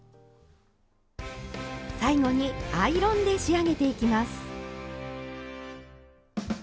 最後にアイロンで仕上げていきます。